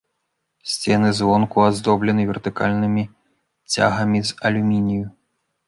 Сцены звонку аздоблены вертыкальнымі цягамі з алюмінію.